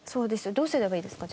どうすればいいですか？